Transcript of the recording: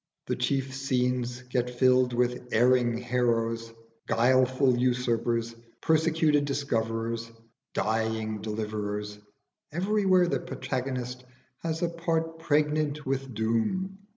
The chief scenes get filled with erring heroes, guileful usurpers, persecuted discoverers, dying deliverers: everywhere the protagonist has a part pregnant with doom.